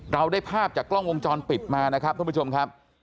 เราได้ภาพจากกล้องวงจรปิดมานะครับท่านผู้ชมครับ